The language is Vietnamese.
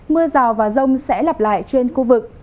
mưa rào và rông sẽ lặp lại trên khu vực